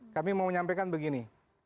kami mau menyampaikan begini